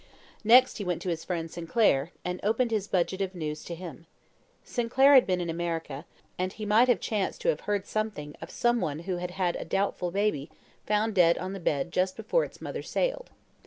Next he went to his friend Sinclair, and opened his budget of news to him. Sinclair had been in America, and he might have chanced to have heard something of some one who had had a doubtful baby found dead on the bed just before its mother sailed.